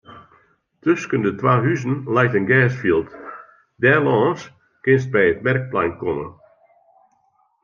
Tusken de twa huzen leit in gersfjild; dêrlâns kinst by it merkplein komme.